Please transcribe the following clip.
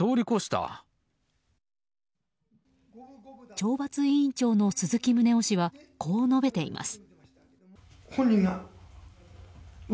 懲罰委員長の鈴木宗男氏はこう述べています。